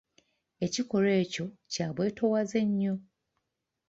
Ekikolwa ekyo kya bwetoowaze nnyo.